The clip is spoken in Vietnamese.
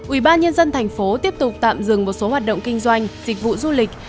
ubnd tp tiếp tục tạm dừng một số hoạt động kinh doanh dịch vụ du lịch